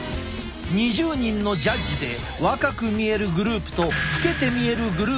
２０人のジャッジで若く見えるグループと老けて見えるグループに分けた。